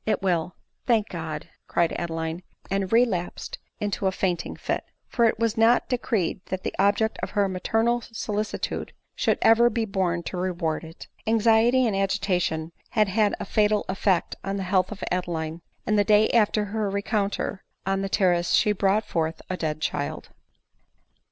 " It will." " Thank God !" cried Adeline, and relapsed into a fainting fit. For it was not decreed that the object of her maternal solicitude should ever be born to reward it. Anxiety and agitation had had a fatal effect on the health of Adeline; and the day after her rencontre on the terrace she brought forth a dead child.